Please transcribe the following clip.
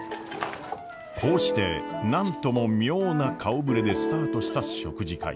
こうして何とも妙な顔ぶれでスタートした食事会。